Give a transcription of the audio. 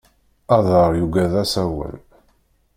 Aḍar yugad asawen.